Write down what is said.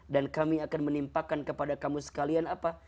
dan kami akan menimpakan kepada kamu sekalian apa